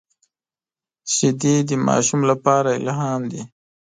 شیدې د ماشوم لپاره الهام دي